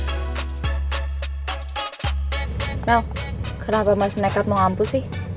mel kenapa mas nekat mau kampus sih